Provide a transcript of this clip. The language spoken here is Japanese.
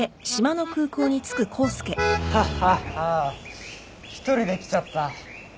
ハッハッハー一人で来ちゃった。